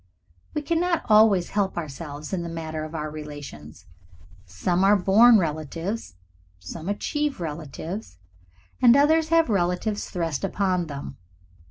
We cannot always help ourselves in the matter of our relations. Some are born relatives, some achieve relatives, and others have relatives thrust upon them.